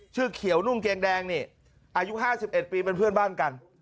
เขียวนุ่งเกงแดงนี่อายุ๕๑ปีเป็นเพื่อนบ้านกัน